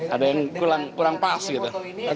ada yang kurang pas gitu